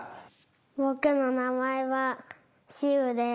ぼくのなまえはしうです。